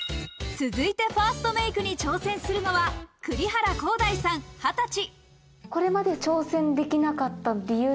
続いてファーストメイクに挑戦するのは栗原航大さん、２０歳。